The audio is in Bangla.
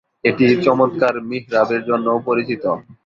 এটি চমৎকার মিহরাবের জন্যও পরিচিত।